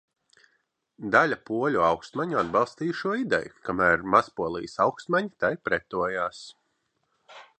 Daļa poļu augstmaņu atbalstīja šo ideju, kamēr Mazpolijas augstmaņi tai pretojās.